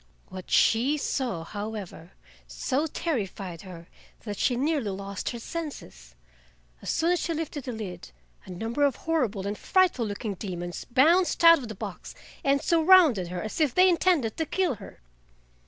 What she saw, however, so terrified her that she nearly lost her senses. As soon as she lifted the lid, a number of horrible and frightful looking demons bounced out of the box and surrounded her as if they intended to kill her.